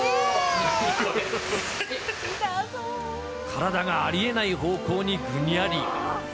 体がありえない方向にぐにゃり。